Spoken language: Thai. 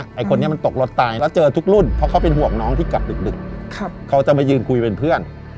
ไอ้คนนี้มันตกรถตายแล้วเจอทุกรุ่นเพราะเขาเป็นห่วงน้องที่กลับดึกเขาจะมายืนคุยเป็นเพื่อน